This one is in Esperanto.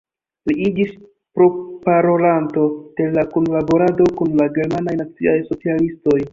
Li iĝis proparolanto de la kunlaborado kun la germanaj naciaj socialistoj.